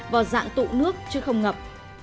và dạng tụ nước chứ không ngập